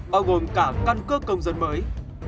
bao gồm cả căn cước công dân mới